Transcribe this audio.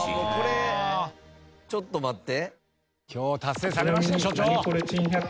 これちょっと待って。